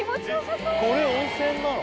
これ温泉なの？